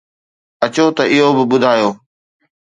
اچو ته اهو به ٻڌايو